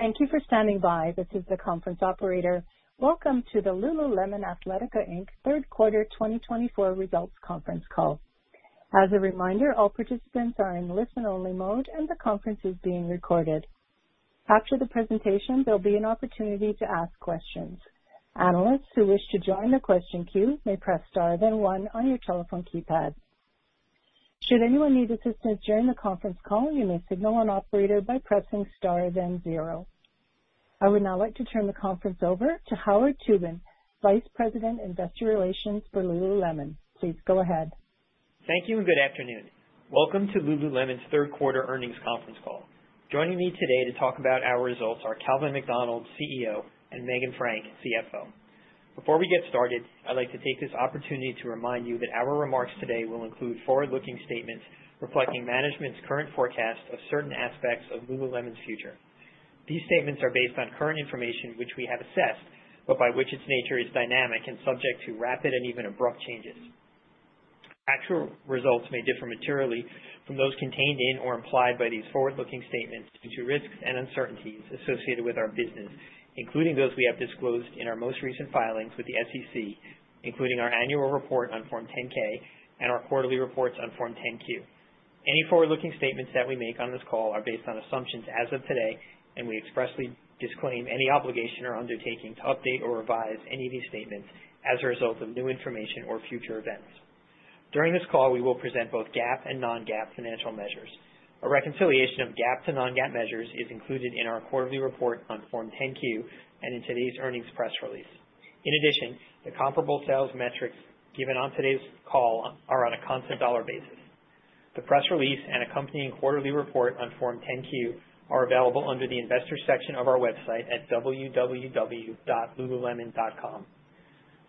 Thank you for standing by. This is the conference operator. Welcome to the Lululemon Athletica Inc. Third Quarter 2024 Results Conference Call. As a reminder, all participants are in listen-only mode, and the conference is being recorded. After the presentation, there'll be an opportunity to ask questions. Analysts who wish to join the question queue may press star then one on your telephone keypad. Should anyone need assistance during the conference call, you may signal an operator by pressing star then zero. I would now like to turn the conference over to Howard Tubin, Vice President, Investor Relations for Lululemon. Please go ahead. Thank you, and good afternoon. Welcome to Lululemon's Third Quarter Earnings Conference Call. Joining me today to talk about our results are Calvin McDonald, CEO, and Meghan Frank, CFO. Before we get started, I'd like to take this opportunity to remind you that our remarks today will include forward-looking statements reflecting management's current forecast of certain aspects of Lululemon's future. These statements are based on current information which we have assessed, but by its nature is dynamic and subject to rapid and even abrupt changes. Actual results may differ materially from those contained in or implied by these forward-looking statements due to risks and uncertainties associated with our business, including those we have disclosed in our most recent filings with the SEC, including our annual report on Form 10-K and our quarterly reports on Form 10-Q. Any forward-looking statements that we make on this call are based on assumptions as of today, and we expressly disclaim any obligation or undertaking to update or revise any of these statements as a result of new information or future events. During this call, we will present both GAAP and non-GAAP financial measures. A reconciliation of GAAP to non-GAAP measures is included in our quarterly report on Form 10-Q and in today's earnings press release. In addition, the comparable sales metrics given on today's call are on a constant dollar basis. The press release and accompanying quarterly report on Form 10-Q are available under the investor section of our website at www.lululemon.com.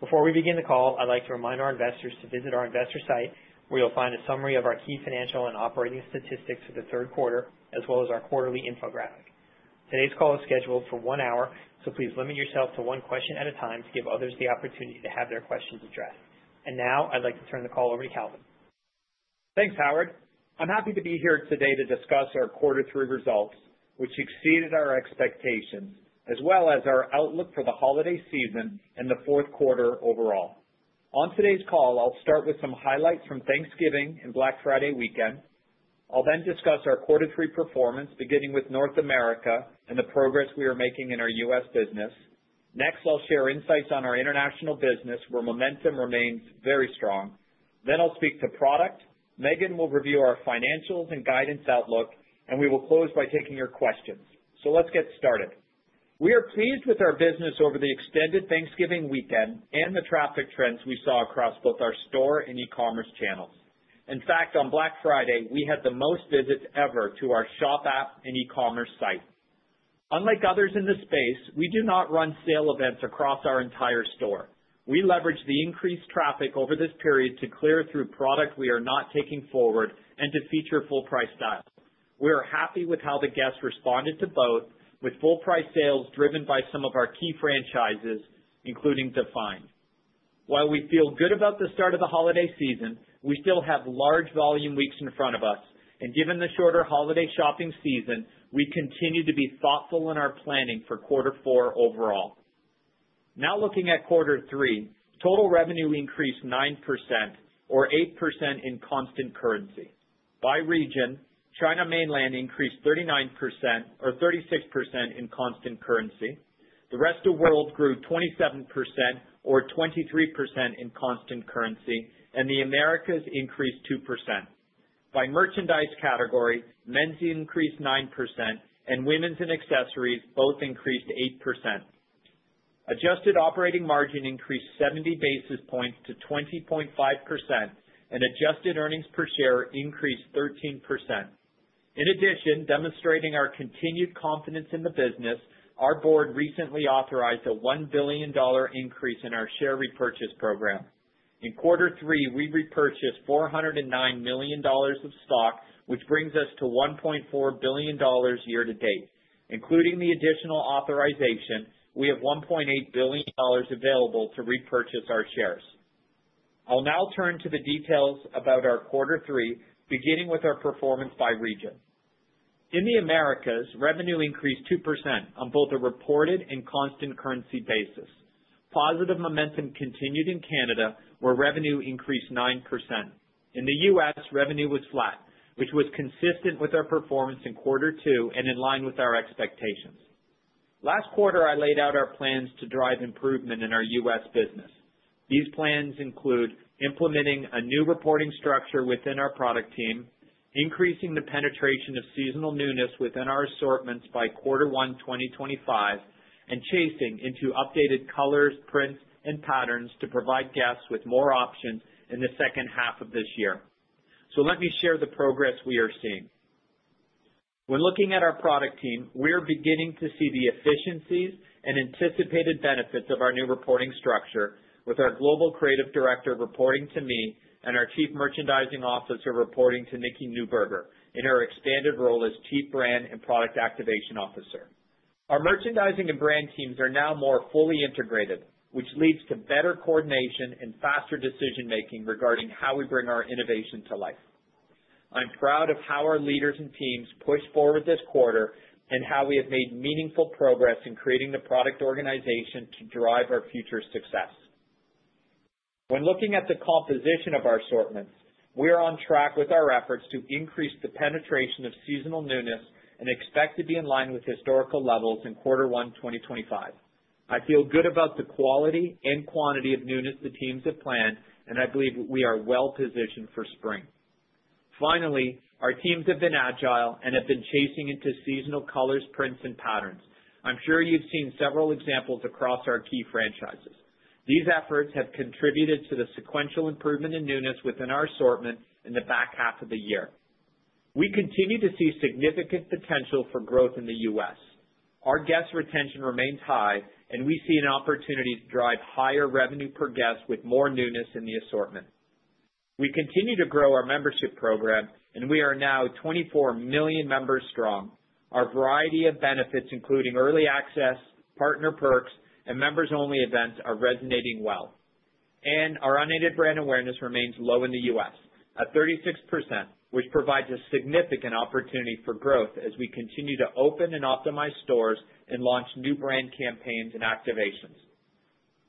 Before we begin the call, I'd like to remind our investors to visit our investor site, where you'll find a summary of our key financial and operating statistics for the third quarter, as well as our quarterly infographic. Today's call is scheduled for one hour, so please limit yourself to one question at a time to give others the opportunity to have their questions addressed, and now I'd like to turn the call over to Calvin. Thanks, Howard. I'm happy to be here today to discuss our quarter three results, which exceeded our expectations, as well as our outlook for the holiday season and the fourth quarter overall. On today's call, I'll start with some highlights from Thanksgiving and Black Friday weekend. I'll then discuss our quarter three performance, beginning with North America and the progress we are making in our U.S. business. Next, I'll share insights on our international business, where momentum remains very strong. Then I'll speak to product. Meghan will review our financials and guidance outlook, and we will close by taking your questions. So let's get started. We are pleased with our business over the extended Thanksgiving weekend and the traffic trends we saw across both our store and e-commerce channels. In fact, on Black Friday, we had the most visits ever to our shop app and e-commerce site. Unlike others in this space, we do not run sale events across our entire store. We leverage the increased traffic over this period to clear through product we are not taking forward and to feature full-price styles. We are happy with how the guests responded to both, with full-price sales driven by some of our key franchises, including Define. While we feel good about the start of the holiday season, we still have large volume weeks in front of us. And given the shorter holiday shopping season, we continue to be thoughtful in our planning for Quarter Four overall. Now looking at Quarter Three, total revenue increased 9% or 8% in constant currency. By region, China Mainland increased 39% or 36% in constant currency. The Rest of World grew 27% or 23% in constant currency, and the Americas increased 2%. By merchandise category, men's increased 9%, and women's and accessories both increased 8%. Adjusted operating margin increased 70 basis points to 20.5%, and adjusted earnings per share increased 13%. In addition, demonstrating our continued confidence in the business, our board recently authorized a $1 billion increase in our share repurchase program. In Quarter Three, we repurchased $409 million of stock, which brings us to $1.4 billion year to date. Including the additional authorization, we have $1.8 billion available to repurchase our shares. I'll now turn to the details about our Quarter Three, beginning with our performance by region. In the Americas, revenue increased 2% on both a reported and constant currency basis. Positive momentum continued in Canada, where revenue increased 9%. In the U.S., revenue was flat, which was consistent with our performance in Quarter Two and in line with our expectations. Last quarter, I laid out our plans to drive improvement in our U.S. business. These plans include implementing a new reporting structure within our product team, increasing the penetration of seasonal newness within our assortments by Quarter One 2025, and chasing into updated colors, prints, and patterns to provide guests with more options in the second half of this year, so let me share the progress we are seeing. When looking at our product team, we are beginning to see the efficiencies and anticipated benefits of our new reporting structure, with our Global Creative Director reporting to me and our Chief Merchandising Officer reporting to Nikki Neuburger in her expanded role as Chief Brand and Product Activation Officer. Our merchandising and brand teams are now more fully integrated, which leads to better coordination and faster decision-making regarding how we bring our innovation to life. I'm proud of how our leaders and teams pushed forward this quarter and how we have made meaningful progress in creating the product organization to drive our future success. When looking at the composition of our assortments, we are on track with our efforts to increase the penetration of seasonal newness and expect to be in line with historical levels in Quarter One 2025. I feel good about the quality and quantity of newness the teams have planned, and I believe we are well-positioned for spring. Finally, our teams have been agile and have been chasing into seasonal colors, prints, and patterns. I'm sure you've seen several examples across our key franchises. These efforts have contributed to the sequential improvement in newness within our assortment in the back half of the year. We continue to see significant potential for growth in the U.S. Our guest retention remains high, and we see an opportunity to drive higher revenue per guest with more newness in the assortment. We continue to grow our membership program, and we are now 24 million members strong. Our variety of benefits, including early access, partner perks, and members-only events, are resonating well, and our unaided brand awareness remains low in the U.S., at 36%, which provides a significant opportunity for growth as we continue to open and optimize stores and launch new brand campaigns and activations.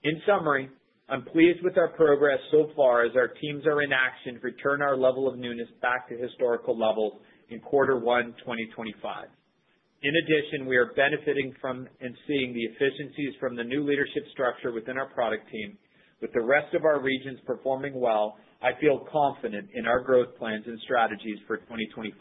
In summary, I'm pleased with our progress so far as our teams are in action to return our level of newness back to historical levels in Quarter One 2025. In addition, we are benefiting from and seeing the efficiencies from the new leadership structure within our product team. With the rest of our regions performing well, I feel confident in our growth plans and strategies for 2025.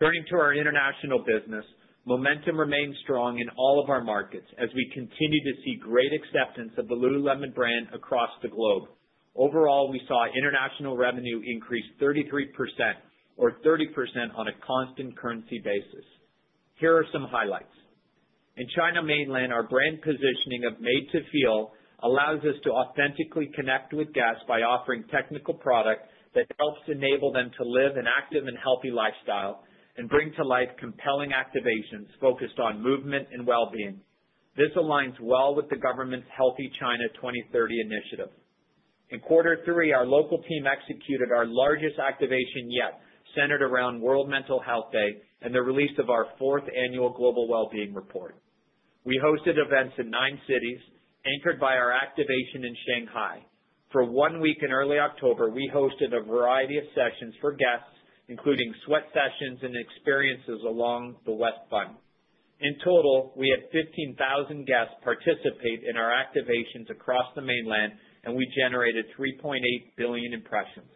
Turning to our international business, momentum remains strong in all of our markets as we continue to see great acceptance of the Lululemon brand across the globe. Overall, we saw international revenue increase 33% or 30% on a constant currency basis. Here are some highlights. In China Mainland, our brand positioning of Made to Feel allows us to authentically connect with guests by offering technical product that helps enable them to live an active and healthy lifestyle and bring to life compelling activations focused on movement and well-being. This aligns well with the government's Healthy China 2030 initiative. In Quarter Three, our local team executed our largest activation yet, centered around World Mental Health Day and the release of our fourth annual Global Well-Being Report. We hosted events in nine cities, anchored by our activation in Shanghai. For one week in early October, we hosted a variety of sessions for guests, including sweat sessions and experiences along the West Bund. In total, we had 15,000 guests participate in our activations across the mainland, and we generated 3.8 billion impressions.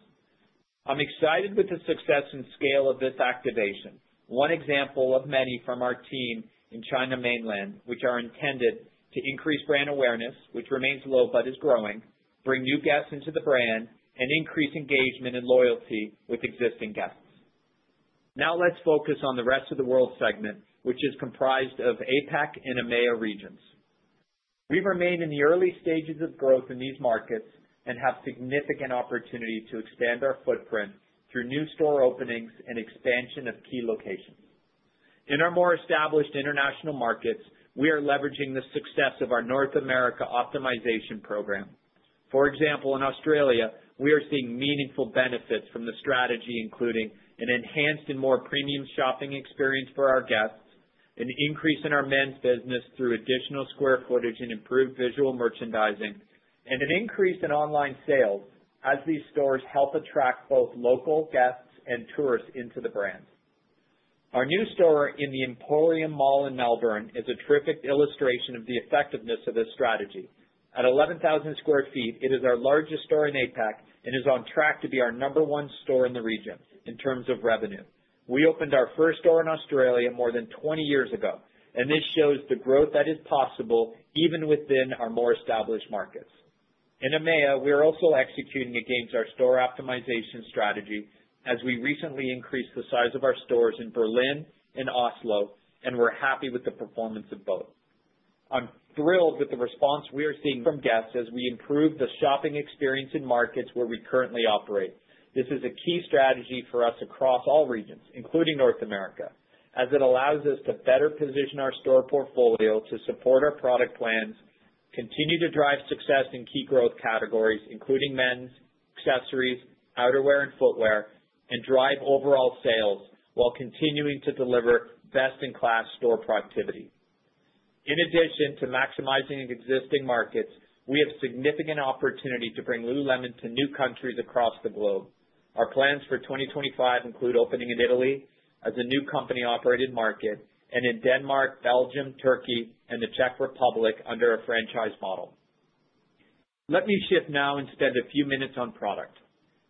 I'm excited with the success and scale of this activation, one example of many from our team in China mainland, which are intended to increase brand awareness, which remains low but is growing, bring new guests into the brand, and increase engagement and loyalty with existing guests. Now let's focus on the Rest of World segment, which is comprised of APAC and EMEA regions. We remain in the early stages of growth in these markets and have significant opportunity to expand our footprint through new store openings and expansion of key locations. In our more established international markets, we are leveraging the success of our North America optimization program. For example, in Australia, we are seeing meaningful benefits from the strategy, including an enhanced and more premium shopping experience for our guests, an increase in our men's business through additional square footage and improved visual merchandising, and an increase in online sales as these stores help attract both local guests and tourists into the brand. Our new store in the Emporium Melbourne in Melbourne is a terrific illustration of the effectiveness of this strategy. At 11,000 sq ft, it is our largest store in APAC and is on track to be our number one store in the region in terms of revenue. We opened our first store in Australia more than 20 years ago, and this shows the growth that is possible even within our more established markets. In EMEA, we are also executing against our store optimization strategy as we recently increased the size of our stores in Berlin and Oslo, and we're happy with the performance of both. I'm thrilled with the response we are seeing from guests as we improve the shopping experience in markets where we currently operate. This is a key strategy for us across all regions, including North America, as it allows us to better position our store portfolio to support our product plans, continue to drive success in key growth categories, including men's, accessories, outerwear, and footwear, and drive overall sales while continuing to deliver best-in-class store productivity. In addition to maximizing existing markets, we have significant opportunity to bring Lululemon to new countries across the globe. Our plans for 2025 include opening in Italy as a new company-operated market and in Denmark, Belgium, Turkey, and the Czech Republic under a franchise model. Let me shift now and spend a few minutes on product.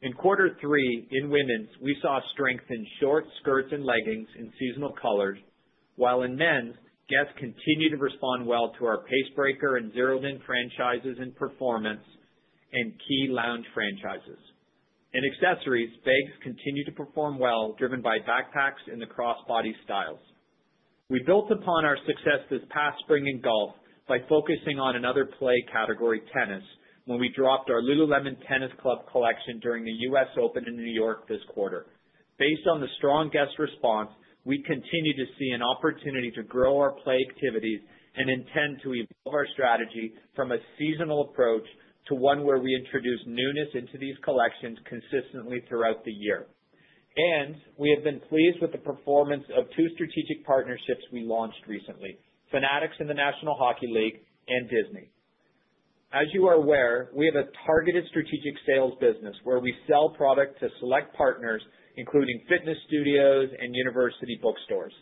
In Quarter Three, in women's, we saw strength in shorts, skirts, and leggings in seasonal colors, while in men's, guests continued to respond well to our Pace Breaker and Zeroed In franchises in performance and key lounge franchises. In accessories, bags continued to perform well, driven by backpacks and the cross-body styles. We built upon our success this past spring in golf by focusing on another Play category, tennis, when we dropped our Lululemon Tennis Club collection during the U.S. Open in New York this quarter. Based on the strong guest response, we continue to see an opportunity to grow our Play activities and intend to evolve our strategy from a seasonal approach to one where we introduce newness into these collections consistently throughout the year. We have been pleased with the performance of two strategic partnerships we launched recently: Fanatics and the National Hockey League, and Disney. As you are aware, we have a targeted strategic sales business where we sell product to select partners, including fitness studios and university bookstores.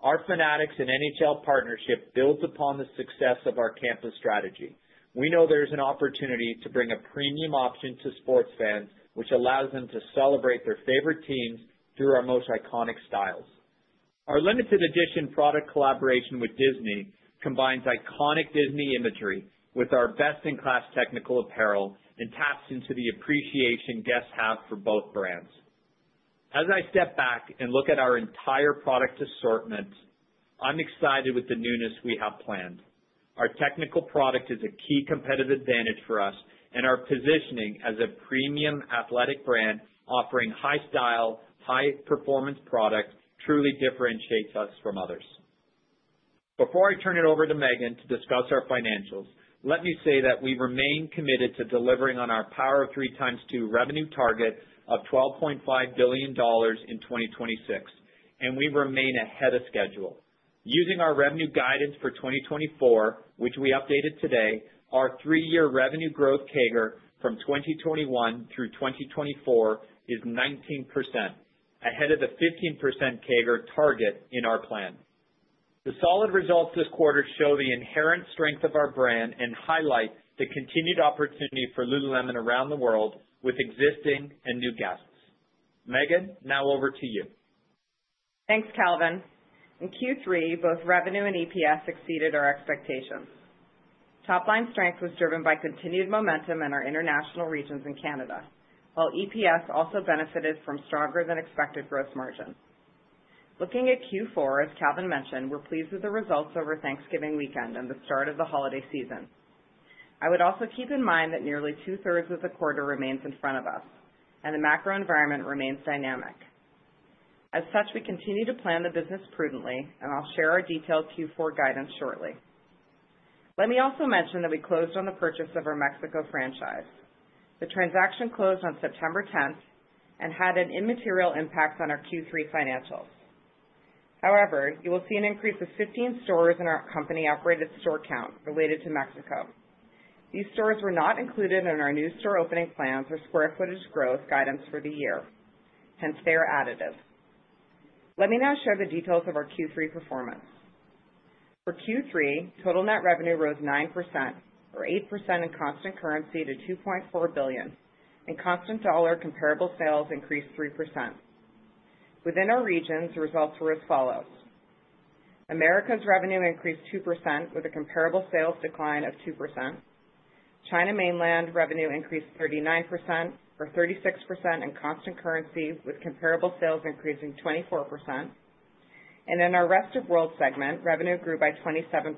Our Fanatics and NHL partnership builds upon the success of our campus strategy. We know there is an opportunity to bring a premium option to sports fans, which allows them to celebrate their favorite teams through our most iconic styles. Our limited-edition product collaboration with Disney combines iconic Disney imagery with our best-in-class technical apparel and taps into the appreciation guests have for both brands. As I step back and look at our entire product assortment, I'm excited with the newness we have planned. Our technical product is a key competitive advantage for us, and our positioning as a premium athletic brand offering high-style, high-performance products truly differentiates us from others. Before I turn it over to Meghan to discuss our financials, let me say that we remain committed to delivering on our Power of Three times Two revenue target of $12.5 billion in 2026, and we remain ahead of schedule. Using our revenue guidance for 2024, which we updated today, our three-year revenue growth CAGR from 2021 through 2024 is 19%, ahead of the 15% CAGR target in our plan. The solid results this quarter show the inherent strength of our brand and highlight the continued opportunity for Lululemon around the world with existing and new guests. Meghan, now over to you. Thanks, Calvin. In Q3, both revenue and EPS exceeded our expectations. Top-line strength was driven by continued momentum in our international regions and Canada, while EPS also benefited from stronger-than-expected gross margins. Looking at Q4, as Calvin mentioned, we're pleased with the results over Thanksgiving weekend and the start of the holiday season. I would also keep in mind that nearly two-thirds of the quarter remains in front of us, and the macro environment remains dynamic. As such, we continue to plan the business prudently, and I'll share our detailed Q4 guidance shortly. Let me also mention that we closed on the purchase of our Mexico franchise. The transaction closed on September 10th and had an immaterial impact on our Q3 financials. However, you will see an increase of 15 stores in our company-operated store count related to Mexico. These stores were not included in our new store opening plans or square footage growth guidance for the year. Hence, they are additive. Let me now share the details of our Q3 performance. For Q3, total net revenue rose 9%, or 8% in constant currency, to $2.4 billion, and constant dollar comparable sales increased 3%. Within our regions, the results were as follows: Americas revenue increased 2% with a comparable sales decline of 2%. China Mainland revenue increased 39%, or 36% in constant currency, with comparable sales increasing 24%, and in our Rest of World segment, revenue grew by 27%,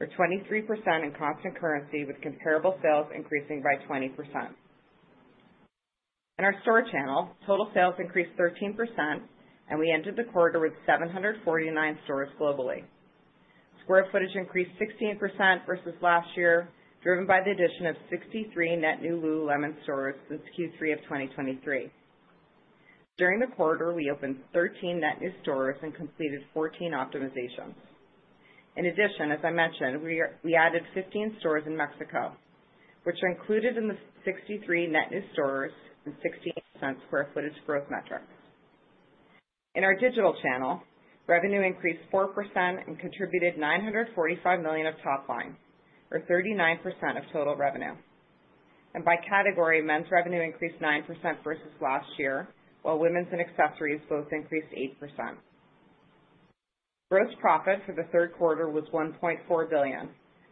or 23% in constant currency, with comparable sales increasing by 20%. In our store channel, total sales increased 13%, and we entered the quarter with 749 stores globally. Square footage increased 16% versus last year, driven by the addition of 63 net new Lululemon stores since Q3 of 2023. During the quarter, we opened 13 net new stores and completed 14 optimizations. In addition, as I mentioned, we added 15 stores in Mexico, which are included in the 63 net new stores and 16% square footage growth metric. In our digital channel, revenue increased 4% and contributed $945 million of top line, or 39% of total revenue, and by category, men's revenue increased 9% versus last year, while women's and accessories both increased 8%. Gross profit for the third quarter was $1.4 billion,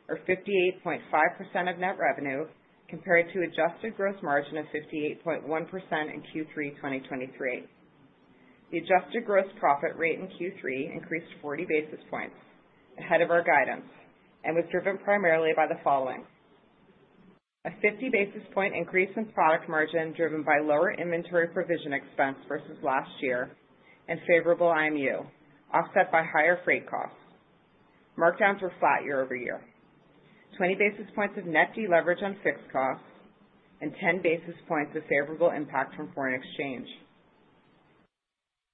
or 58.5% of net revenue, compared to adjusted gross margin of 58.1% in Q3 2023. The adjusted gross profit rate in Q3 increased 40 basis points, ahead of our guidance, and was driven primarily by the following: a 50 basis point increase in product margin driven by lower inventory provision expense versus last year and favorable IMU, offset by higher freight costs. Markdowns were flat year over year: 20 basis points of net deleverage on fixed costs and 10 basis points of favorable impact from foreign exchange.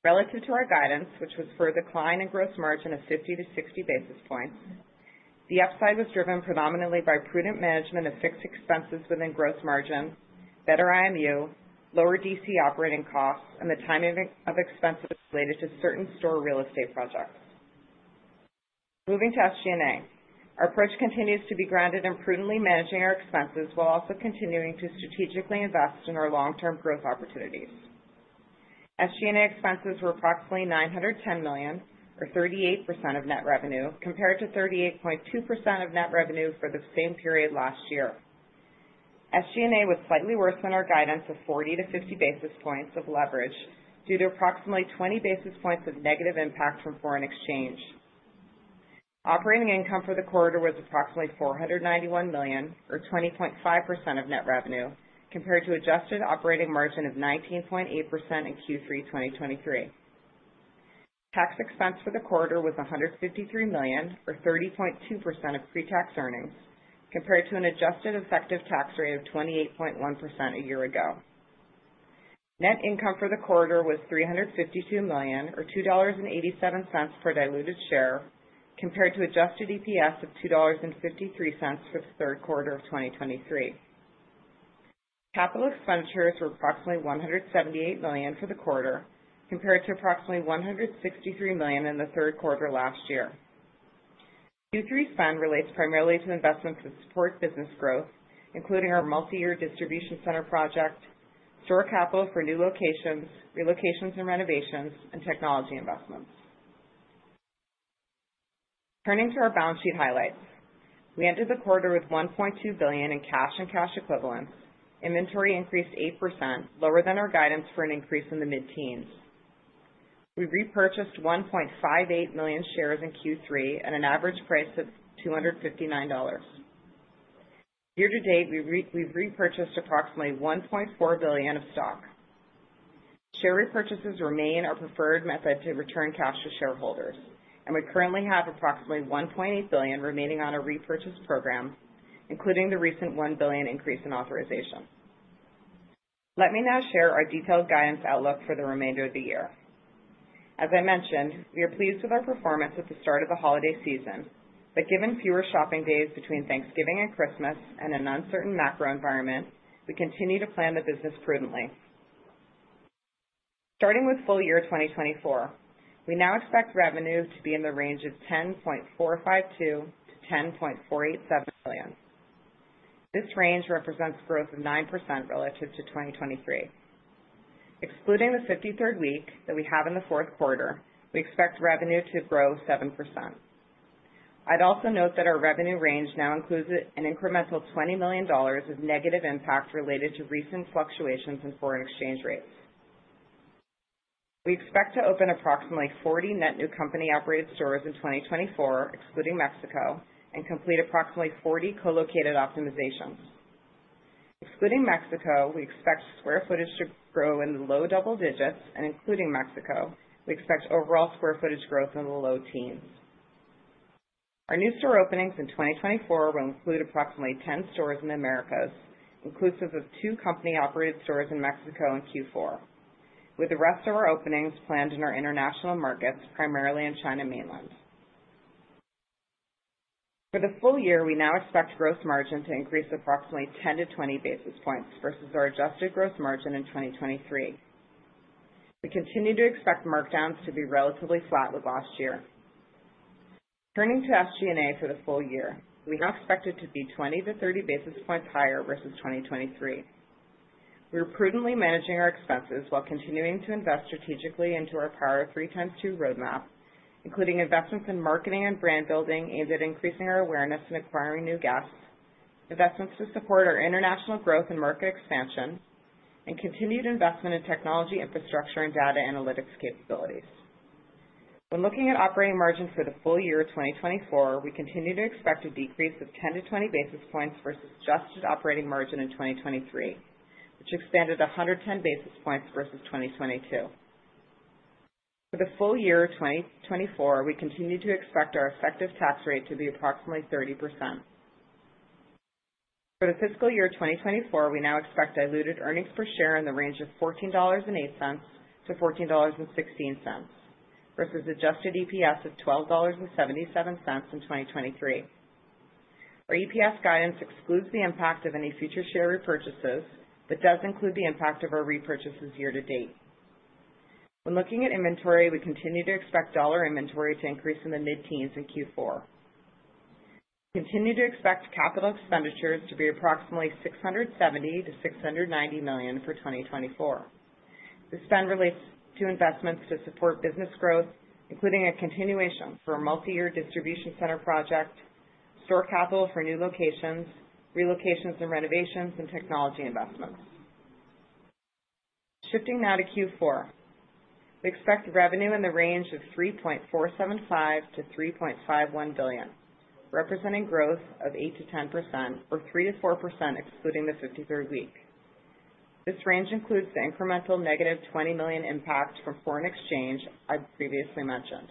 Relative to our guidance, which was for a decline in gross margin of 50-60 basis points, the upside was driven predominantly by prudent management of fixed expenses within gross margin, better IMU, lower DC operating costs, and the timing of expenses related to certain store real estate projects. Moving to SG&A, our approach continues to be grounded in prudently managing our expenses while also continuing to strategically invest in our long-term growth opportunities. SG&A expenses were approximately $910 million, or 38% of net revenue, compared to 38.2% of net revenue for the same period last year. SG&A was slightly worse than our guidance of 40-50 basis points of leverage due to approximately 20 basis points of negative impact from foreign exchange. Operating income for the quarter was approximately $491 million, or 20.5% of net revenue, compared to adjusted operating margin of 19.8% in Q3 2023. Tax expense for the quarter was $153 million, or 30.2% of pre-tax earnings, compared to an adjusted effective tax rate of 28.1% a year ago. Net income for the quarter was $352 million, or $2.87 per diluted share, compared to adjusted EPS of $2.53 for the third quarter of 2023. Capital expenditures were approximately $178 million for the quarter, compared to approximately $163 million in the third quarter last year. Q3 spend relates primarily to investments that support business growth, including our multi-year distribution center project, store capital for new locations, relocations and renovations, and technology investments. Turning to our balance sheet highlights, we entered the quarter with $1.2 billion in cash and cash equivalents. Inventory increased 8%, lower than our guidance for an increase in the mid-teens. We repurchased 1.58 million shares in Q3 at an average price of $259. Year to date, we've repurchased approximately $1.4 billion of stock. Share repurchases remain our preferred method to return cash to shareholders, and we currently have approximately $1.8 billion remaining on our repurchase program, including the recent $1 billion increase in authorization. Let me now share our detailed guidance outlook for the remainder of the year. As I mentioned, we are pleased with our performance at the start of the holiday season, but given fewer shopping days between Thanksgiving and Christmas and an uncertain macro environment, we continue to plan the business prudently. Starting with full year 2024, we now expect revenue to be in the range of $10.452-$10.487 billion. This range represents growth of 9% relative to 2023. Excluding the 53rd week that we have in the fourth quarter, we expect revenue to grow 7%. I'd also note that our revenue range now includes an incremental $20 million of negative impact related to recent fluctuations in foreign exchange rates. We expect to open approximately 40 net new company-operated stores in 2024, excluding Mexico, and complete approximately 40 co-located optimizations. Excluding Mexico, we expect square footage to grow in the low double digits, and including Mexico, we expect overall square footage growth in the low teens. Our new store openings in 2024 will include approximately 10 stores in the Americas, inclusive of two company-operated stores in Mexico in Q4, with the rest of our openings planned in our international markets, primarily in China Mainland. For the full year, we now expect gross margin to increase approximately 10-20 basis points versus our adjusted gross margin in 2023. We continue to expect markdowns to be relatively flat with last year. Turning to SG&A for the full year, we now expect it to be 20-30 basis points higher versus 2023. We are prudently managing our expenses while continuing to invest strategically into our Power of Three times Two roadmap, including investments in marketing and brand building aimed at increasing our awareness and acquiring new guests, investments to support our international growth and market expansion, and continued investment in technology infrastructure and data analytics capabilities. When looking at operating margin for the full year 2024, we continue to expect a decrease of 10-20 basis points versus adjusted operating margin in 2023, which expanded 110 basis points versus 2022. For the full year 2024, we continue to expect our effective tax rate to be approximately 30%. For the fiscal year 2024, we now expect diluted earnings per share in the range of $14.08-$14.16 versus adjusted EPS of $12.77 in 2023. Our EPS guidance excludes the impact of any future share repurchases but does include the impact of our repurchases year to date. When looking at inventory, we continue to expect dollar inventory to increase in the mid-teens in Q4. We continue to expect capital expenditures to be approximately $670 million-$690 million for 2024. This spend relates to investments to support business growth, including a continuation for a multi-year distribution center project, store capital for new locations, relocations and renovations, and technology investments. Shifting now to Q4, we expect revenue in the range of $3.475 billion-$3.51 billion, representing growth of 8%-10%, or 3%-4% excluding the 53rd week. This range includes the incremental negative $20 million impact from foreign exchange I previously mentioned.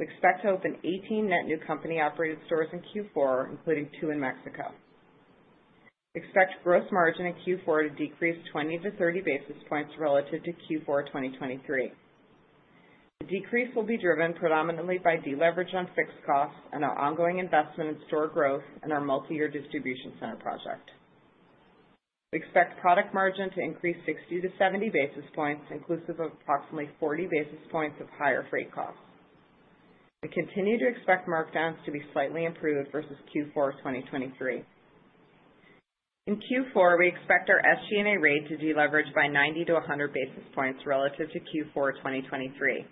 We expect to open 18 net new company-operated stores in Q4, including two in Mexico. We expect gross margin in Q4 to decrease 20-30 basis points relative to Q4 2023. The decrease will be driven predominantly by deleverage on fixed costs and our ongoing investment in store growth and our multi-year distribution center project. We expect product margin to increase 60-70 basis points, inclusive of approximately 40 basis points of higher freight costs. We continue to expect markdowns to be slightly improved versus Q4 2023. In Q4, we expect our SG&A rate to deleverage by 90-100 basis points relative to Q4 2023.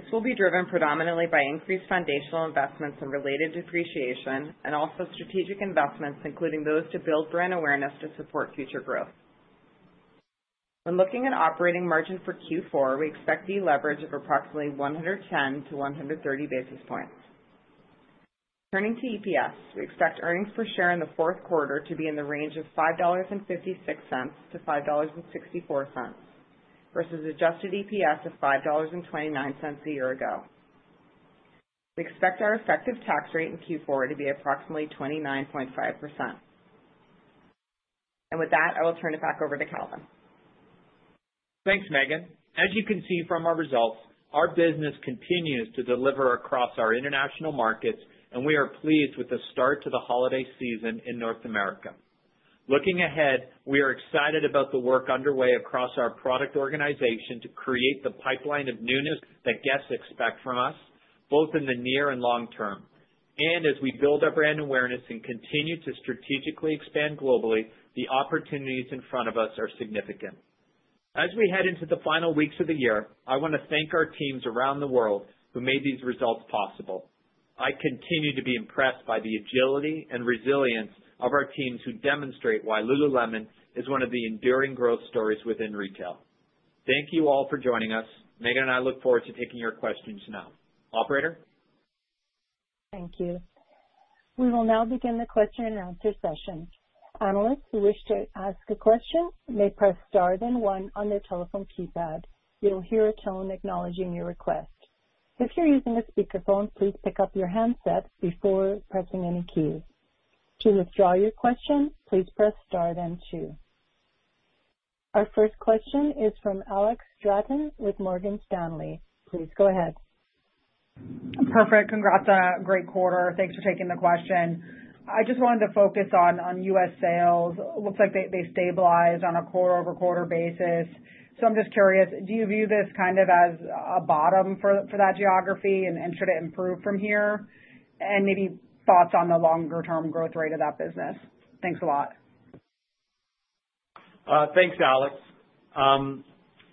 This will be driven predominantly by increased foundational investments and related depreciation, and also strategic investments, including those to build brand awareness to support future growth. When looking at operating margin for Q4, we expect deleverage of approximately 110-130 basis points. Turning to EPS, we expect earnings per share in the fourth quarter to be in the range of $5.56-$5.64 versus adjusted EPS of $5.29 a year ago. We expect our effective tax rate in Q4 to be approximately 29.5%. With that, I will turn it back over to Calvin. Thanks, Meghan. As you can see from our results, our business continues to deliver across our international markets, and we are pleased with the start to the holiday season in North America. Looking ahead, we are excited about the work underway across our product organization to create the pipeline of newness that guests expect from us, both in the near and long term. And as we build our brand awareness and continue to strategically expand globally, the opportunities in front of us are significant. As we head into the final weeks of the year, I want to thank our teams around the world who made these results possible. I continue to be impressed by the agility and resilience of our teams who demonstrate why Lululemon is one of the enduring growth stories within retail. Thank you all for joining us. Meghan and I look forward to taking your questions now. Operator? Thank you. We will now begin the question and answer session. Analysts who wish to ask a question may press star then one on their telephone keypad. You'll hear a tone acknowledging your request. If you're using a speakerphone, please pick up your handset before pressing any keys. To withdraw your question, please press star then two. Our first question is from Alex Stratton with Morgan Stanley. Please go ahead. Perfect. Congrats on a great quarter. Thanks for taking the question. I just wanted to focus on U.S. sales. It looks like they stabilized on a quarter-over-quarter basis. So I'm just curious, do you view this kind of as a bottom for that geography, and should it improve from here? And maybe thoughts on the longer-term growth rate of that business. Thanks a lot. Thanks, Alex.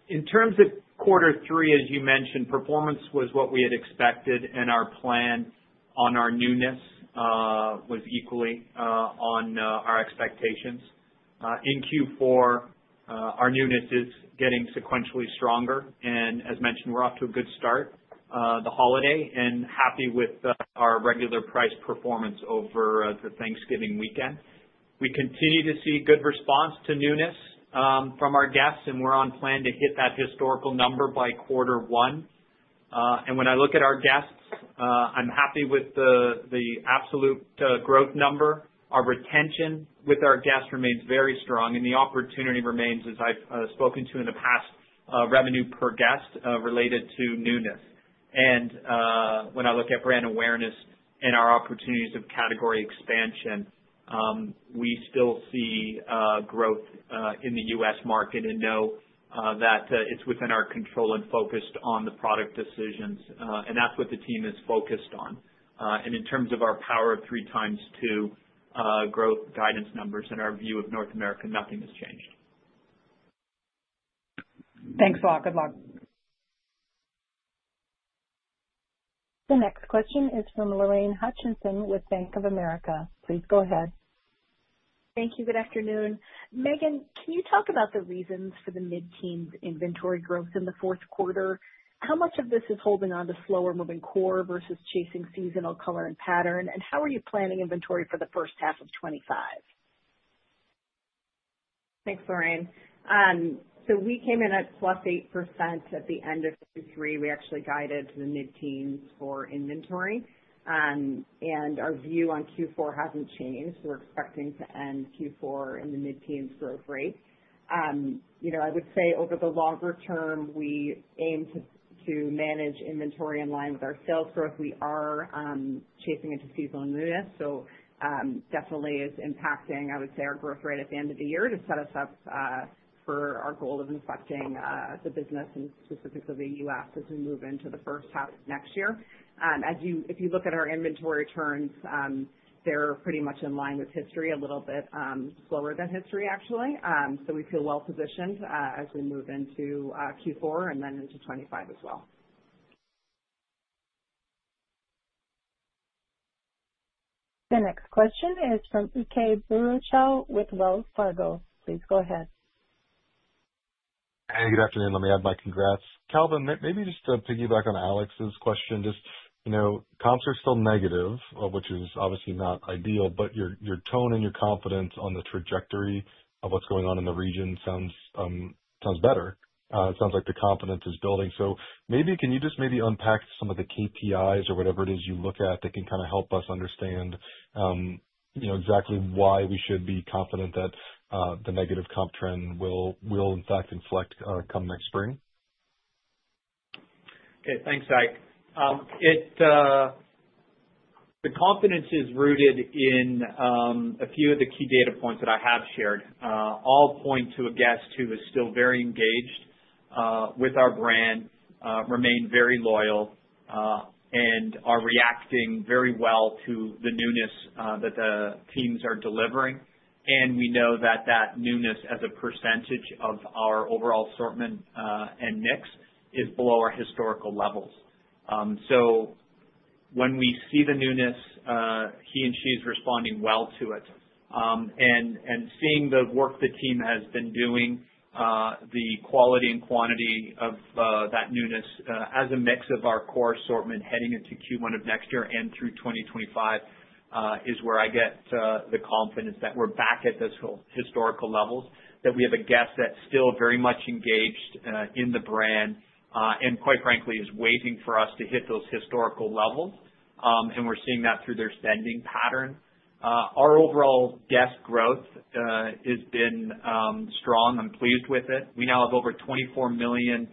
In terms of quarter three, as you mentioned, performance was what we had expected, and our plan on our newness was equally on our expectations. In Q4, our newness is getting sequentially stronger, and as mentioned, we're off to a good start the holiday and happy with our regular-priced performance over the Thanksgiving weekend. We continue to see good response to newness from our guests, and we're on plan to hit that historical number by quarter one. When I look at our guests, I'm happy with the absolute growth number. Our retention with our guests remains very strong, and the opportunity remains, as I've spoken to in the past, revenue per guest related to newness. When I look at brand awareness and our opportunities of category expansion, we still see growth in the U.S. market and know that it's within our control and focused on the product decisions, and that's what the team is focused on, and in terms of our Power of Three times Two growth guidance numbers and our view of North America, nothing has changed. Thanks a lot. Good luck. The next question is from Lorraine Hutchinson with Bank of America. Please go ahead. Thank you. Good afternoon. Meghan, can you talk about the reasons for the mid-teens inventory growth in the fourth quarter? How much of this is holding on to slower-moving core versus chasing seasonal color and pattern, and how are you planning inventory for the first half of 2025? Thanks, Lorraine. So we came in at plus 8% at the end of Q3. We actually guided the mid-teens for inventory, and our view on Q4 hasn't changed. We're expecting to end Q4 in the mid-teens growth rate. I would say over the longer term, we aim to manage inventory in line with our sales growth. We are chasing into seasonal newness, so definitely is impacting, I would say, our growth rate at the end of the year to set us up for our goal of inflecting the business and specifically the U.S. as we move into the first half of next year. If you look at our inventory turns, they're pretty much in line with history, a little bit slower than history, actually. So we feel well-positioned as we move into Q4 and then into 2025 as well. The next question is from Ike Boruchow with Wells Fargo. Please go ahead. Hey, good afternoon. Let me add my congrats. Calvin, maybe just to piggyback on Alex's question, just comps are still negative, which is obviously not ideal, but your tone and your confidence on the trajectory of what's going on in the region sounds better. It sounds like the confidence is building. So maybe can you just maybe unpack some of the KPIs or whatever it is you look at that can kind of help us understand exactly why we should be confident that the negative comp trend will, in fact, inflect come next spring? Okay. Thanks, Ike. The confidence is rooted in a few of the key data points that I have shared. All point to a guest who is still very engaged with our brand, remain very loyal, and are reacting very well to the newness that the teams are delivering. And we know that that newness as a percentage of our overall assortment and mix is below our historical levels. So when we see the newness, he and she is responding well to it. Seeing the work the team has been doing, the quality and quantity of that newness as a mix of our core assortment heading into Q1 of next year and through 2025 is where I get the confidence that we're back at those historical levels, that we have a guest that's still very much engaged in the brand and, quite frankly, is waiting for us to hit those historical levels. We're seeing that through their spending pattern. Our overall guest growth has been strong. I'm pleased with it. We now have over 24 million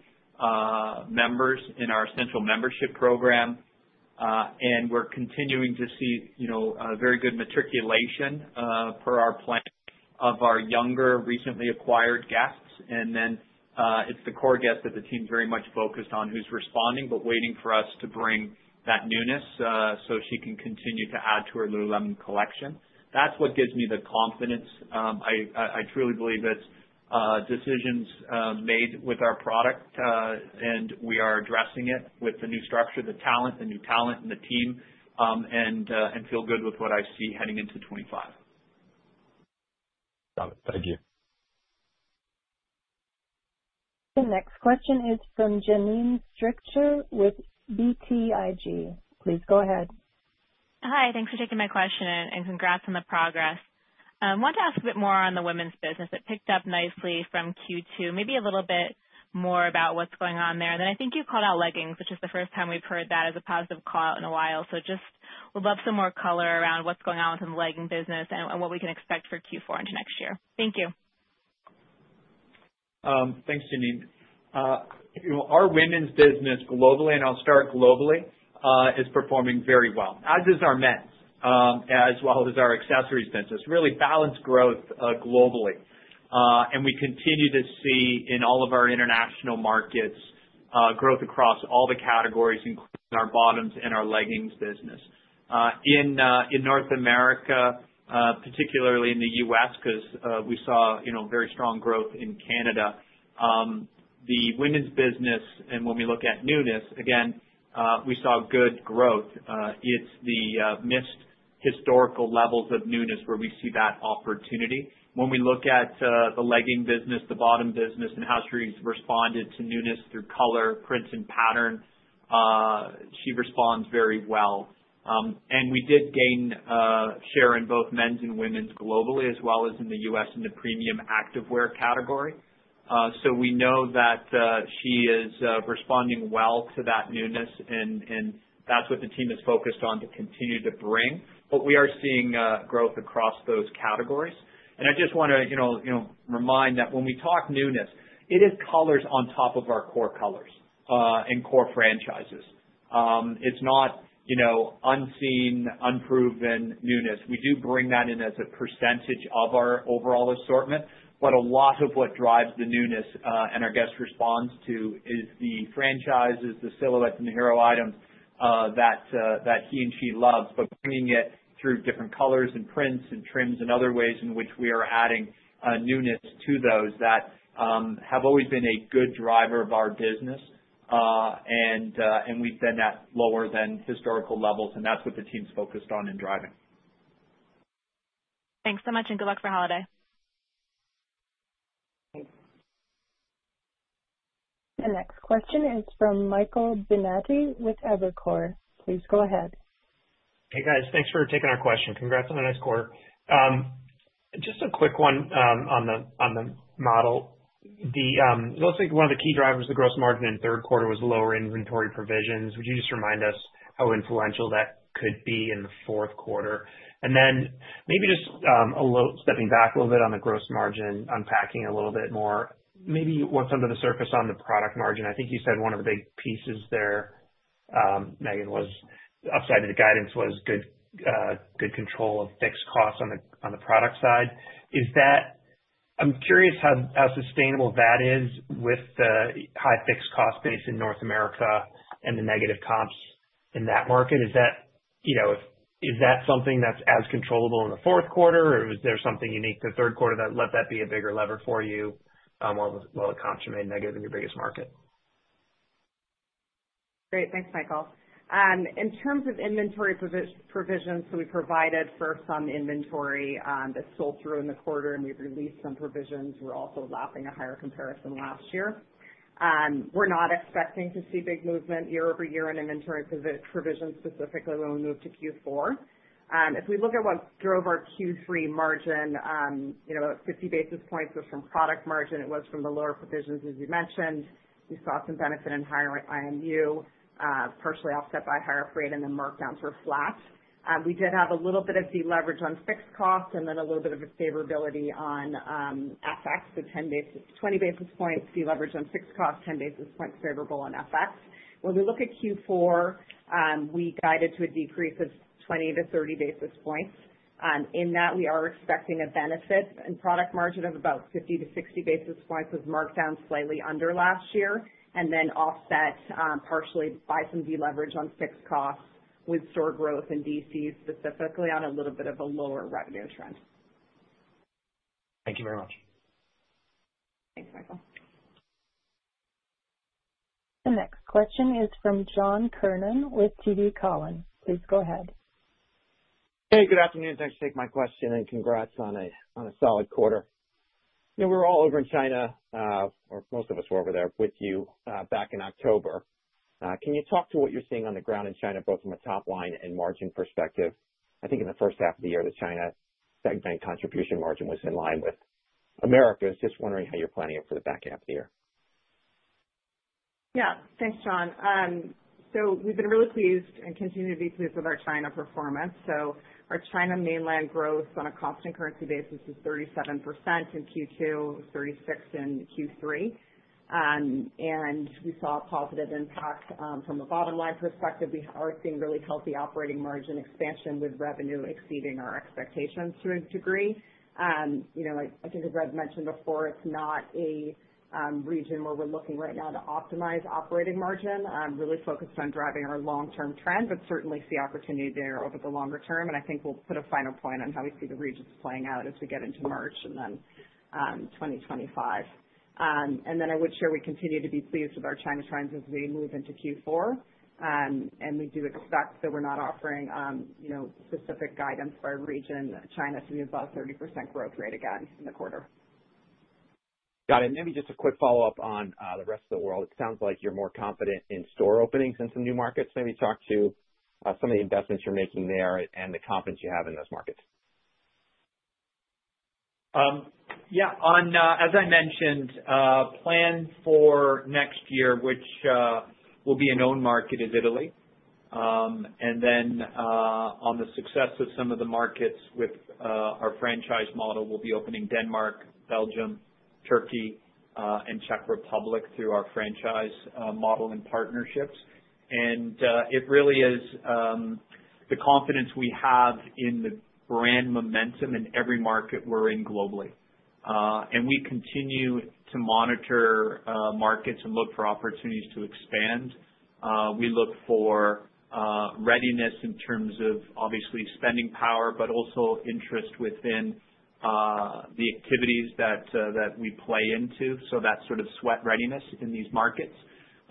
members in our Essential membership program, and we're continuing to see very good matriculation per our plan of our younger, recently acquired guests. And then it's the core guest that the team's very much focused on who's responding but waiting for us to bring that newness so she can continue to add to her Lululemon collection. That's what gives me the confidence. I truly believe it's decisions made with our product, and we are addressing it with the new structure, the talent, the new talent, and the team, and feel good with what I see heading into 2025. Got it. Thank you. The next question is from Janine Stichter with BTIG. Please go ahead. Hi. Thanks for taking my question and congrats on the progress. I wanted to ask a bit more on the women's business. It picked up nicely from Q2. Maybe a little bit more about what's going on there. And then I think you called out leggings, which is the first time we've heard that as a positive call out in a while. So just would love some more color around what's going on with the legging business and what we can expect for Q4 into next year. Thank you. Thanks, Janine. Our women's business globally, and I'll start globally, is performing very well, as is our men's, as well as our accessories business. Really balanced growth globally. We continue to see in all of our international markets growth across all the categories, including our bottoms and our leggings business. In North America, particularly in the U.S., because we saw very strong growth in Canada, the women's business, and when we look at newness, again, we saw good growth. It's the missed historical levels of newness where we see that opportunity. When we look at the legging business, the bottom business, and how she's responded to newness through color, prints, and pattern, she responds very well. We did gain share in both men's and women's globally, as well as in the U.S. in the premium activewear category. We know that she is responding well to that newness, and that's what the team is focused on to continue to bring. We are seeing growth across those categories. I just want to remind that when we talk newness, it is colors on top of our core colors and core franchises. It's not unseen, unproven newness. We do bring that in as a percentage of our overall assortment, but a lot of what drives the newness and our guest response to is the franchises, the silhouettes, and the hero items that he and she loves, but bringing it through different colors and prints and trims and other ways in which we are adding newness to those that have always been a good driver of our business, and we've been at lower than historical levels, and that's what the team's focused on and driving. Thanks so much, and good luck for holiday. Thanks. The next question is from Michael Binetti with Evercore. Please go ahead. Hey, guys. Thanks for taking our question. Congrats on the next quarter. Just a quick one on the model. It looks like one of the key drivers of the gross margin in third quarter was lower inventory provisions. Would you just remind us how influential that could be in the fourth quarter? And then maybe just stepping back a little bit on the gross margin, unpacking a little bit more, maybe what's under the surface on the product margin. I think you said one of the big pieces there, Meghan, was upside of the guidance was good control of fixed costs on the product side. I'm curious how sustainable that is with the high fixed cost base in North America and the negative comps in that market. Is that something that's as controllable in the fourth quarter, or is there something unique to the third quarter that let that be a bigger lever for you while the comps remain negative in your biggest market? Great. Thanks, Michael. In terms of inventory provisions, so we provided for some inventory that sold through in the quarter, and we've released some provisions. We're also lapping a higher comparison last year. We're not expecting to see big movement year over year in inventory provisions, specifically when we move to Q4. If we look at what drove our Q3 margin, about 50 basis points was from product margin. It was from the lower provisions, as you mentioned. We saw some benefit in higher IMU, partially offset by higher freight, and then markdowns were flat. We did have a little bit of deleverage on fixed costs and then a little bit of a favorability on FX, so 20 basis points deleverage on fixed costs, 10 basis points favorable on FX. When we look at Q4, we guided to a decrease of 20-30 basis points. In that, we are expecting a benefit, and product margin of about 50-60 basis points was marked down slightly under last year, and then offset partially by some deleverage on fixed costs with store growth in DC, specifically on a little bit of a lower revenue trend. Thank you very much. Thanks, Michael. The next question is from John Kernan with TD Cowen. Please go ahead. Hey, good afternoon. Thanks for taking my question, and congrats on a solid quarter. We were all over in China, or most of us were over there with you back in October. Can you talk to what you're seeing on the ground in China, both from a top-line and margin perspective? I think in the first half of the year, the China segment contribution margin was in line with America. I was just wondering how you're planning it for the back half of the year. Yeah. Thanks, John. So we've been really pleased and continue to be pleased with our China performance. So our China Mainland growth on a constant currency basis is 37% in Q2, 36% in Q3. And we saw a positive impact. From a bottom-line perspective, we are seeing really healthy operating margin expansion with revenue exceeding our expectations to a degree. I think as I've mentioned before, it's not a region where we're looking right now to optimize operating margin. I'm really focused on driving our long-term trend, but certainly see opportunity there over the longer term. And I think we'll put a final point on how we see the region playing out as we get into March and then 2025. And then I would share we continue to be pleased with our China trends as we move into Q4. We do expect that we're not offering specific guidance by region. China to be above 30% growth rate again in the quarter. Got it. Maybe just a quick follow-up on the Rest of World. It sounds like you're more confident in store openings and some new markets. Maybe talk to some of the investments you're making there and the confidence you have in those markets. Yeah. As I mentioned, plan for next year, which will be an owned market, is Italy. And then on the success of some of the markets with our franchise model, we'll be opening Denmark, Belgium, Turkey, and Czech Republic through our franchise model and partnerships. And it really is the confidence we have in the brand momentum in every market we're in globally. And we continue to monitor markets and look for opportunities to expand. We look for readiness in terms of, obviously, spending power, but also interest within the activities that we play into. So that sort of sweat readiness in these markets.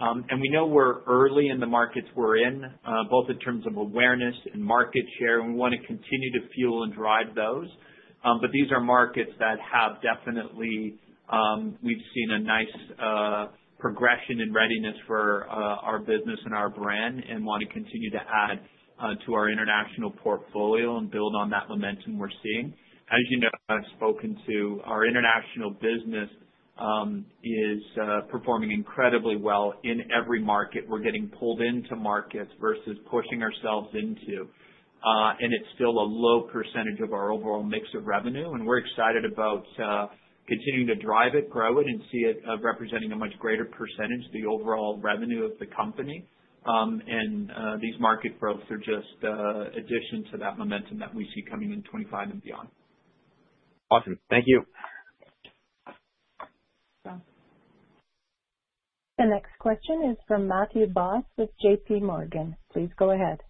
And we know we're early in the markets we're in, both in terms of awareness and market share. And we want to continue to fuel and drive those. But these are markets that have definitely seen a nice progression in readiness for our business and our brand, and we want to continue to add to our international portfolio and build on that momentum we're seeing. As you know, I've spoken to. Our international business is performing incredibly well in every market. We're getting pulled into markets versus pushing ourselves into. And it's still a low percentage of our overall mix of revenue. And we're excited about continuing to drive it, grow it, and see it representing a much greater percentage of the overall revenue of the company. And these market growths are just an addition to that momentum that we see coming in 2025 and beyond. Awesome. Thank you. Thanks, John. The next question is from Matthew Boss with JPMorgan. Please go ahead.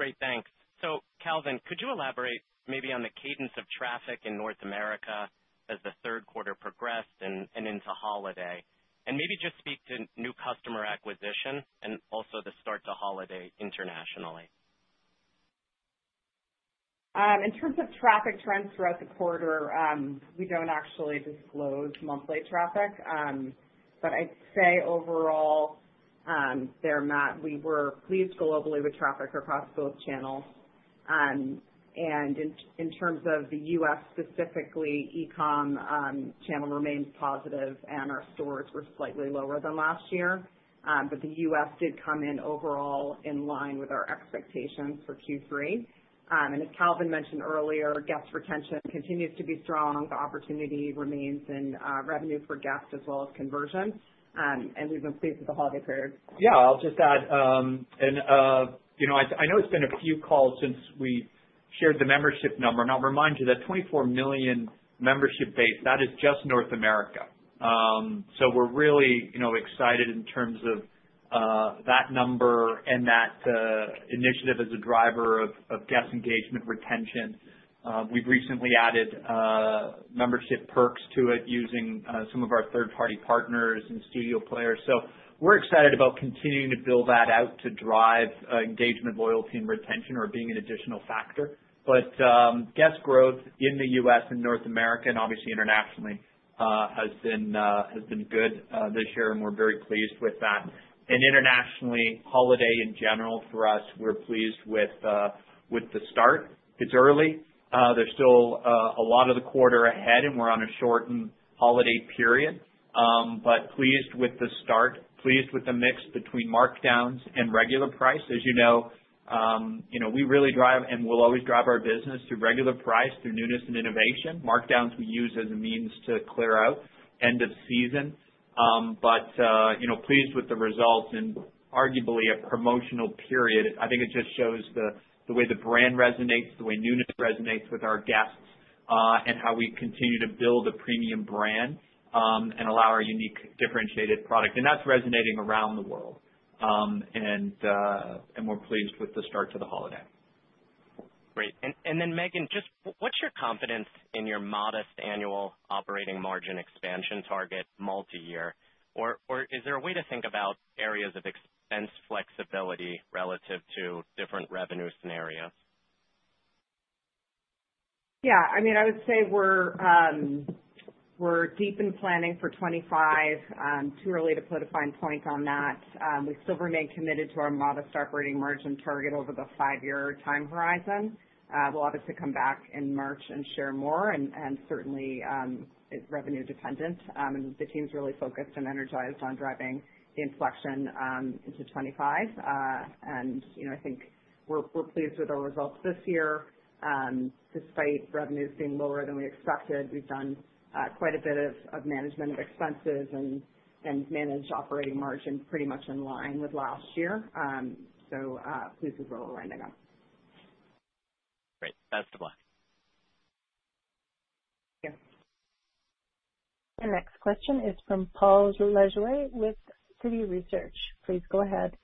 Great. Thanks. So, Calvin, could you elaborate maybe on the cadence of traffic in North America as the third quarter progressed and into holiday? And maybe just speak to new customer acquisition and also the start to holiday internationally? In terms of traffic trends throughout the quarter, we don't actually disclose monthly traffic, but I'd say overall, we were pleased globally with traffic across both channels, and in terms of the U.S., specifically, e-com channel remains positive, and our stores were slightly lower than last year, but the U.S. did come in overall in line with our expectations for Q3, and as Calvin mentioned earlier, guest retention continues to be strong. The opportunity remains in revenue for guests as well as conversion, and we've been pleased with the holiday period. Yeah. I'll just add, and I know it's been a few calls since we shared the membership number. And I'll remind you that 24 million membership base, that is just North America. So we're really excited in terms of that number and that initiative as a driver of guest engagement retention. We've recently added membership perks to it using some of our third-party partners and studio players. So we're excited about continuing to build that out to drive engagement, loyalty, and retention or being an additional factor. But guest growth in the U.S. and North America and obviously internationally has been good this year, and we're very pleased with that. And internationally, holiday in general for us, we're pleased with the start. It's early. There's still a lot of the quarter ahead, and we're on a shortened holiday period. But, pleased with the start, pleased with the mix between markdowns and regular price. As you know, we really drive and will always drive our business through regular price, through newness and innovation. Markdowns we use as a means to clear out end of season. But, pleased with the results and arguably a promotional period. I think it just shows the way the brand resonates, the way newness resonates with our guests, and how we continue to build a premium brand and allow our unique, differentiated product. And that's resonating around the world. And we're pleased with the start to the holiday. Great. And then, Meghan, just what's your confidence in your modest annual operating margin expansion target multi-year? Or is there a way to think about areas of expense flexibility relative to different revenue scenarios? Yeah. I mean, I would say we're deep in planning for 2025. Too early to put a fine point on that. We still remain committed to our modest operating margin target over the five-year time horizon. We'll obviously come back in March and share more. And certainly, it's revenue-dependent. And the team's really focused and energized on driving the inflection into 2025. And I think we're pleased with our results this year. Despite revenues being lower than we expected, we've done quite a bit of management of expenses and managed operating margin pretty much in line with last year. So pleased with where we're landing at. Great. Best of luck. Thank you. The next question is from Paul Lejuez with Citi Research. Please go ahead.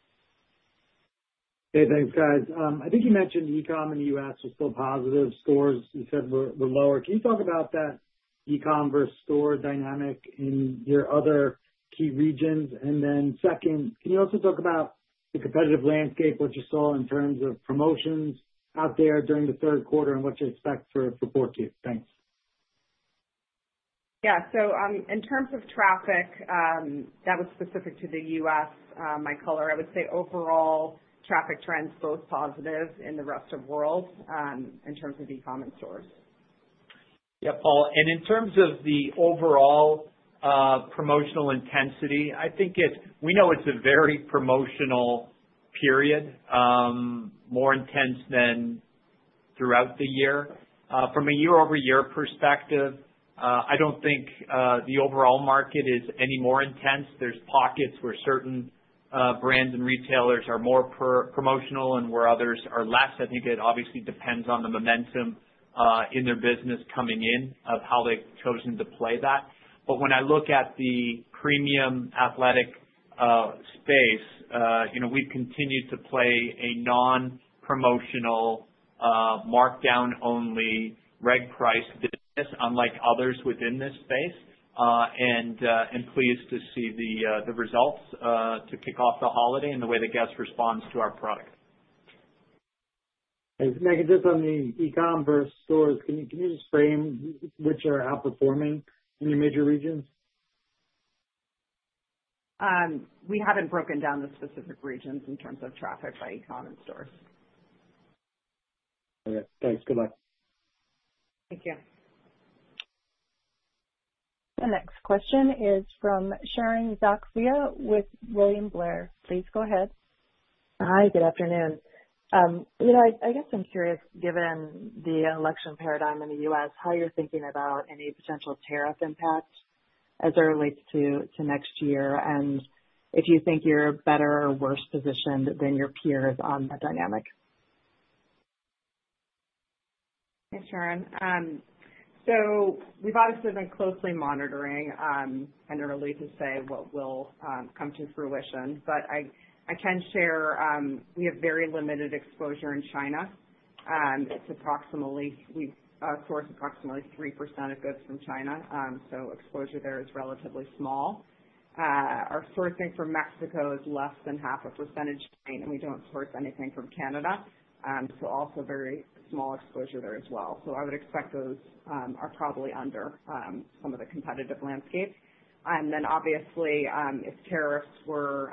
Hey, thanks, guys. I think you mentioned e-com in the U.S. was still positive. Stores, you said, were lower. Can you talk about that e-com versus store dynamic in your other key regions? And then second, can you also talk about the competitive landscape, what you saw in terms of promotions out there during the third quarter and what to expect for 2014? Thanks. Yeah. So, in terms of traffic, that was specific to the U.S., my color. I would say overall traffic trends both positive in the Rest of World in terms of e-com and stores. Yeah, Paul. And in terms of the overall promotional intensity, I think we know it's a very promotional period, more intense than throughout the year. From a year-over-year perspective, I don't think the overall market is any more intense. There's pockets where certain brands and retailers are more promotional and where others are less. I think it obviously depends on the momentum in their business coming in of how they've chosen to play that. But when I look at the premium athletic space, we've continued to play a non-promotional, markdown-only reg-priced business, unlike others within this space. And I'm pleased to see the results to kick off the holiday and the way the guest responds to our product. Meghan, just on the e-com versus stores, can you just frame which are outperforming in your major regions? We haven't broken down the specific regions in terms of traffic by e-com and stores. All right. Thanks. Goodbye. Thank you. The next question is from Sharon Zackfia with William Blair. Please go ahead. Hi, good afternoon. I guess I'm curious, given the election paradigm in the U.S., how you're thinking about any potential tariff impact as it relates to next year and if you think you're better or worse positioned than your peers on that dynamic? Thanks, Sharon. So we've obviously been closely monitoring and are relieved to say what will come to fruition. But I can share we have very limited exposure in China. We source approximately 3% of goods from China. So exposure there is relatively small. Our sourcing from Mexico is less than half a percentage point, and we don't source anything from Canada. So also very small exposure there as well. So I would expect those are probably under some of the competitive landscape. And then obviously, if tariffs were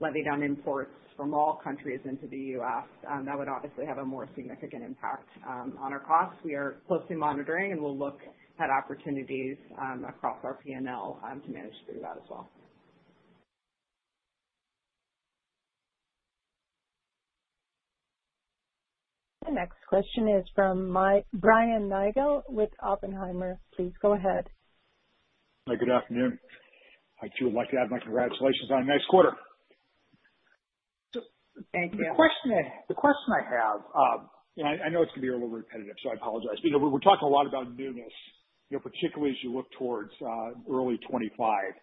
levied on imports from all countries into the U.S., that would obviously have a more significant impact on our costs. We are closely monitoring, and we'll look at opportunities across our P&L to manage through that as well. The next question is from Brian Nagel with Oppenheimer. Please go ahead. Hi, good afternoon. I'd sure like to add my congratulations on next quarter. Thank you. The question I have, and I know it's going to be a little repetitive, so I apologize. We're talking a lot about newness, particularly as you look towards early 2025.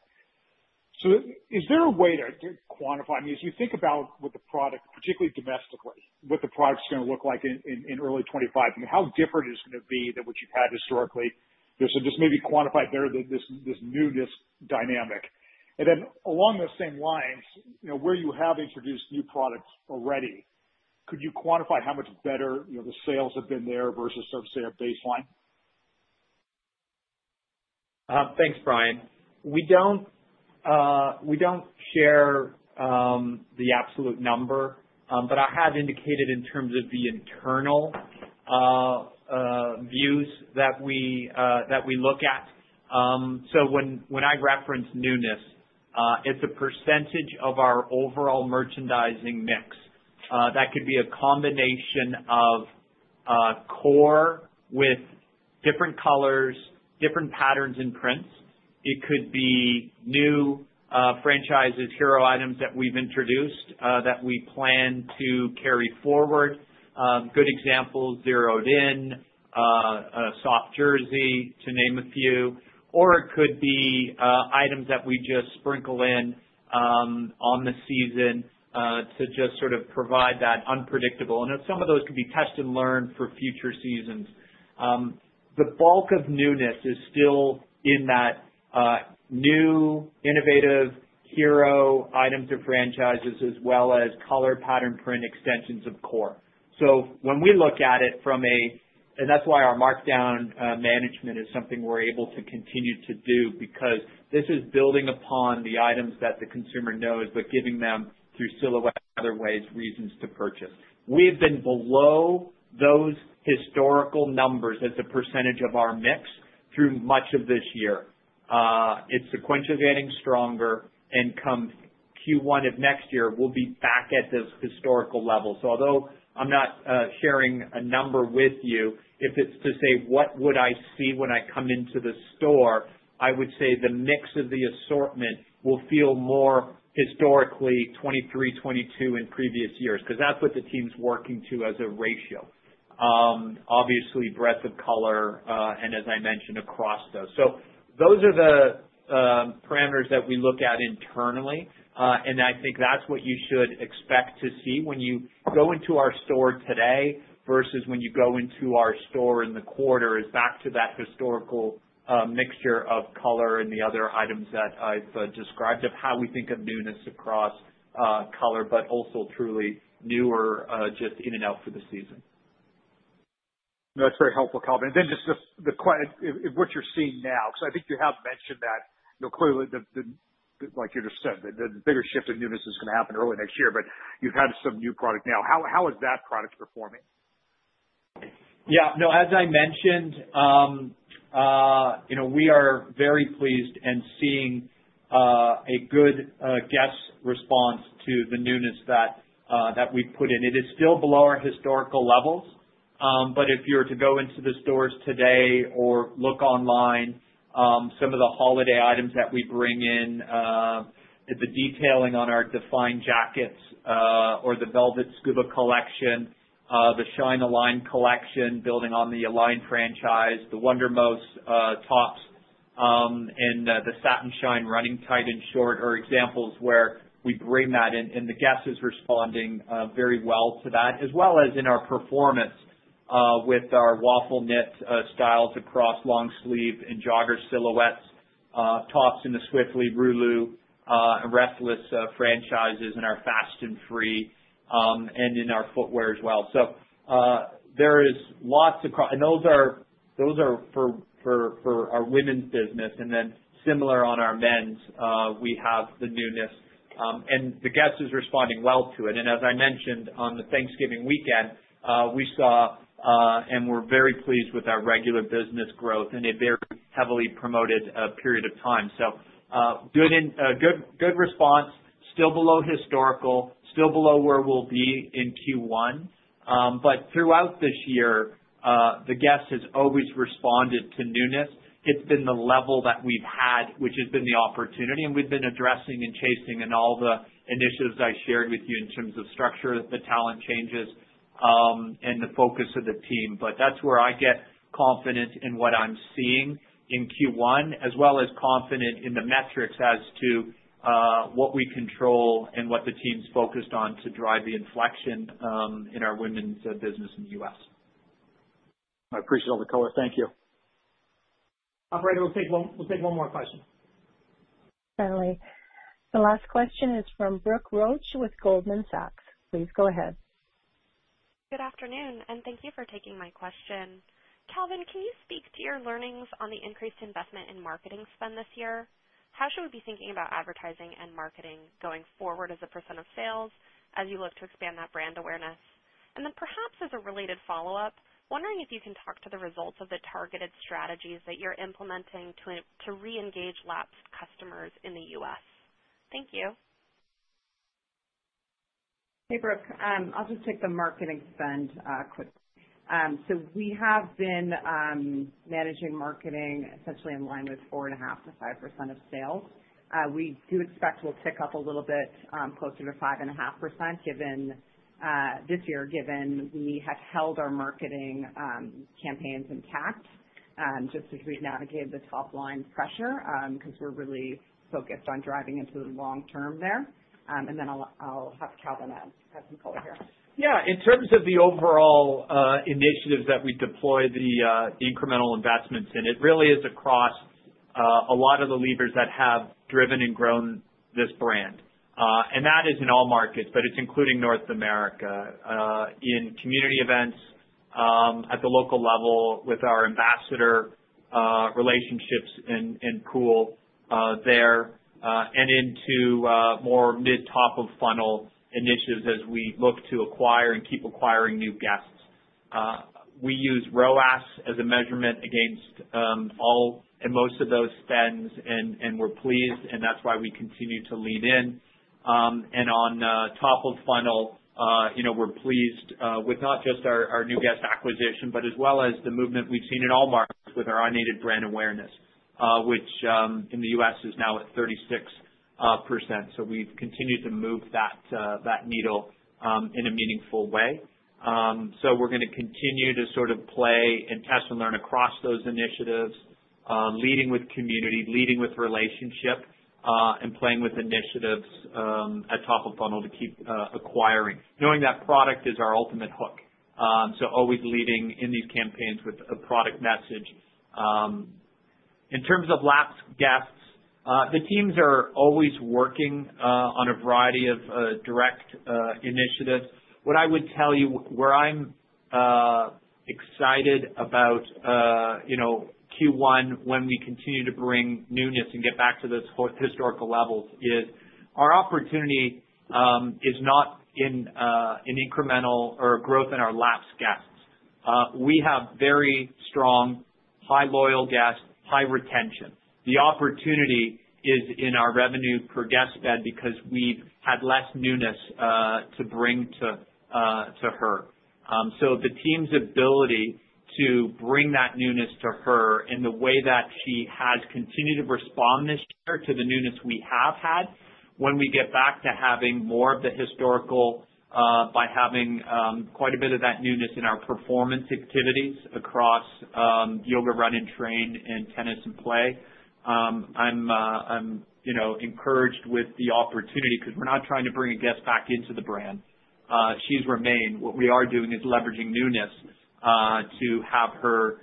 So is there a way to quantify? I mean, as you think about what the product, particularly domestically, what the product's going to look like in early 2025, how different it's going to be than what you've had historically? So just maybe quantify better this newness dynamic, and then along those same lines, where you have introduced new products already, could you quantify how much better the sales have been there versus sort of, say, a baseline? Thanks, Brian. We don't share the absolute number, but I have indicated in terms of the internal views that we look at. So when I reference newness, it's a percentage of our overall merchandising mix. That could be a combination of core with different colors, different patterns and prints. It could be new franchises, hero items that we've introduced that we plan to carry forward. Good examples, Zeroed In, Soft Jersey, to name a few. Or it could be items that we just sprinkle in on the season to just sort of provide that unpredictable. And some of those could be test and learn for future seasons. The bulk of newness is still in that new, innovative hero items of franchises as well as color, pattern, print extensions of core. So when we look at it—and that's why our markdown management is something we're able to continue to do because this is building upon the items that the consumer knows, but giving them through silhouette, other ways, reasons to purchase. We've been below those historical numbers as a percentage of our mix through much of this year. It's sequentially getting stronger, and come Q1 of next year, we'll be back at those historical levels. So although I'm not sharing a number with you, if it's to say, "What would I see when I come into the store?" I would say the mix of the assortment will feel more historically 2023, 2022, and previous years because that's what the team's working to as a ratio. Obviously, breadth of color, and as I mentioned, across those. So those are the parameters that we look at internally. And I think that's what you should expect to see when you go into our store today versus when you go into our store in the quarter, is back to that historical mixture of color and the other items that I've described, of how we think of newness across color, but also truly newer, just in and out for the season. That's very helpful, Calvin. And then just the question of what you're seeing now because I think you have mentioned that clearly, like you just said, the bigger shift in newness is going to happen early next year, but you've had some new product now. How is that product performing? Yeah. No, as I mentioned, we are very pleased and seeing a good guest response to the newness that we've put in. It is still below our historical levels. But if you're to go into the stores today or look online, some of the holiday items that we bring in, the detailing on our Define Jackets or the Velvet Scuba Collection, the Shine Align Collection, building on the Align franchise, the Wundermost Tops, and the Satin Shine Running Tight and Short are examples where we bring that in. And the guest is responding very well to that, as well as in our performance with our waffle knit styles across long sleeve and jogger silhouettes, tops in the Swiftly, Rulu, Rest Less franchises, and our Fast and Free, and in our footwear as well. So there is lots across, and those are for our women's business. And then, similar on our men's, we have the newness. And the guest is responding well to it. And as I mentioned, on the Thanksgiving weekend, we saw, and we're very pleased with our regular business growth in a very heavily promoted period of time. So, good response, still below historical, still below where we'll be in Q1. But throughout this year, the guest has always responded to newness. It's been the level that we've had, which has been the opportunity. And we've been addressing and chasing in all the initiatives I shared with you in terms of structure, the talent changes, and the focus of the team. But that's where I get confident in what I'm seeing in Q1, as well as confident in the metrics as to what we control and what the team's focused on to drive the inflection in our women's business in the U.S. I appreciate all the color. Thank you. All right. We'll take one more question. Certainly. The last question is from Brooke Roach with Goldman Sachs. Please go ahead. Good afternoon, and thank you for taking my question. Calvin, can you speak to your learnings on the increased investment in marketing spend this year? How should we be thinking about advertising and marketing going forward as a % of sales as you look to expand that brand awareness? And then perhaps as a related follow-up, wondering if you can talk to the results of the targeted strategies that you're implementing to re-engage lapsed customers in the U.S. Thank you. Hey, Brooke. I'll just take the marketing spend quickly. So we have been managing marketing essentially in line with 4.5%-5% of sales. We do expect we'll tick up a little bit closer to 5.5% this year given we have held our marketing campaigns intact just as we've navigated the top-line pressure because we're really focused on driving into the long term there. And then I'll have Calvin add some color here. Yeah. In terms of the overall initiatives that we deploy the incremental investments in, it really is across a lot of the levers that have driven and grown this brand. And that is in all markets, but it's including North America in community events at the local level with our ambassador relationships and pool there, and into more mid-top of funnel initiatives as we look to acquire and keep acquiring new guests. We use ROAS as a measurement against all and most of those spends, and we're pleased, and that's why we continue to lean in. And on top of funnel, we're pleased with not just our new guest acquisition, but as well as the movement we've seen in all markets with our unaided brand awareness, which in the U.S. is now at 36%. So we've continued to move that needle in a meaningful way. We're going to continue to sort of play and test and learn across those initiatives, leading with community, leading with relationship, and playing with initiatives at top of funnel to keep acquiring, knowing that product is our ultimate hook. So always leading in these campaigns with a product message. In terms of lapsed guests, the teams are always working on a variety of direct initiatives. What I would tell you where I'm excited about Q1, when we continue to bring newness and get back to those historical levels, is our opportunity is not in incremental or growth in our lapsed guests. We have very strong, highly loyal guests, high retention. The opportunity is in our revenue per guest, but because we've had less newness to bring to her. So the team's ability to bring that newness to her in the way that she has continued to respond this year to the newness we have had. When we get back to having more of the historical by having quite a bit of that newness in our performance activities across yoga, run, and train, and tennis and play, I'm encouraged with the opportunity because we're not trying to bring a guest back into the brand. She's remained. What we are doing is leveraging newness to have her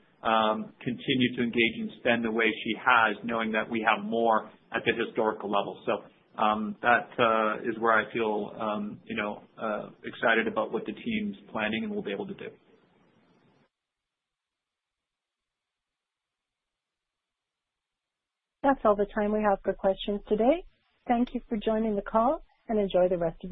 continue to engage and spend the way she has, knowing that we have more at the historical level. So that is where I feel excited about what the team's planning and will be able to do. That's all the time we have for questions today. Thank you for joining the call, and enjoy the rest of your day.